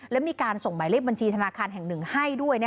และมีการส่งหมายเลขบัญชีธนาคารแห่งหนึ่งให้ด้วย